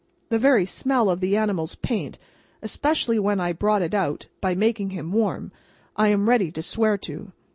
The very smell of the animal's paint—especially when I brought it out, by making him warm—I am ready to swear to.